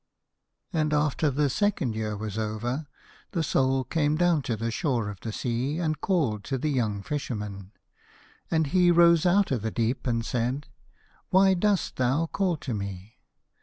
96 And after the second year was over the Soul came down to the shore of the sea, and called to the young Fisherman, and he rose out of the deep and said, " Why dost thou call to me?"